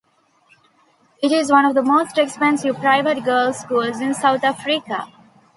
It is one of the most expensive private girls' schools in South Africa.